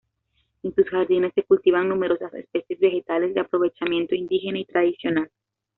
En sus jardines se cultivan numerosas especies vegetales de aprovechamiento indígena y tradicional.